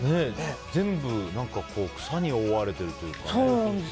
全部草に覆われてるというかね。